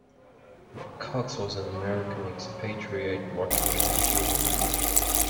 Cox was an American expatriate working in Cuba.